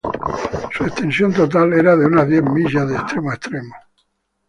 Su extensión total era de unas diez millas de extremo a extremo.